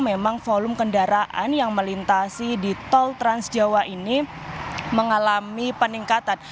memang volume kendaraan yang melintasi di tol trans jawa ini mengalami peningkatan